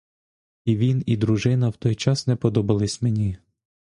І він і дружина в той час не подобались мені.